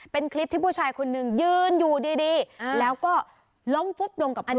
เป็นคลิปที่ผู้ชายคนหนึ่งยืนอยู่ดีแล้วก็ล้มฟุบลงกับพื้น